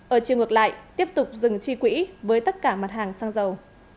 ở chiều ngược lại tiếp tục dừng chi quỹ với tất cả mặt hàng xăng dầu